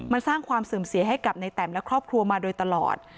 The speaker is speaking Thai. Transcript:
มันสร้างความเสื่อมเสียให้กับในแต่มและครอบครัวมาโดยตลอด